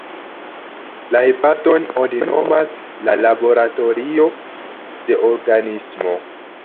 La hepaton oni nomas la laboratorio de organismo.